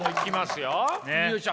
よいしょ。